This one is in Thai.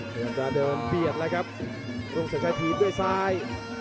พยายามจะเดินเบียดแล้วครับลุงสัญชัยถีบด้วยซ้าย